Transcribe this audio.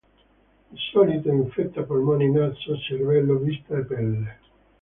Di solito infetta polmoni, naso, cervello, vista e pelle.